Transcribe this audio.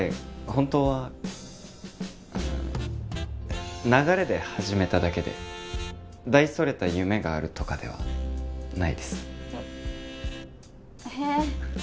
本当は流れで始めただけで大それた夢があるとかではないですえっへえ